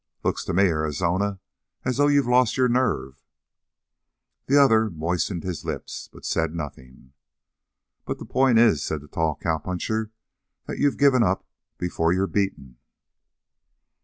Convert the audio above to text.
"Looks to me, Arizona, as though you'd lost your nerve." The other moistened his lips, but said nothing. "But the point is," said the tall cowpuncher, "that you've given up before you're beaten."